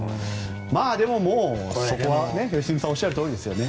でも、もうそこは良純さんがおっしゃるとおりですね。